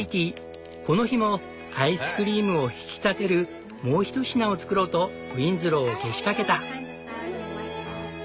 この日もアイスクリームを引き立てるもうひと品を作ろうとウィンズローをけしかけた。